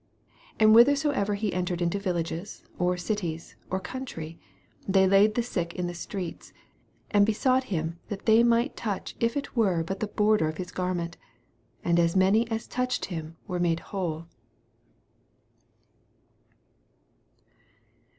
56 And whithersoever he entered, into villages, or cities, or country, they laid the sick in the streets, and besought him that they might touch if it were but the border of his gar ment : and as many as touched him were made whole.